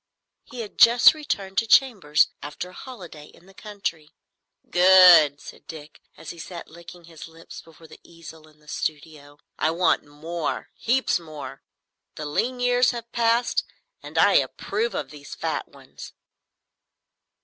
He had just returned to chambers after a holiday in the country. "Good," said Dick, as he sat licking his lips before the easel in the studio. "I want more,—heaps more. The lean years have passed, and I approve of these fat ones."